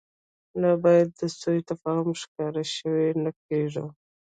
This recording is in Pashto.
نه باید د سوء تفاهم ښکار شو، نه کېږو.